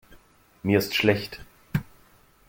Mir ist schlecht.